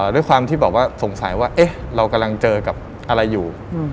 ด้วยความที่บอกว่าสงสัยว่าเรากำลังเจอกับอะไรอยู่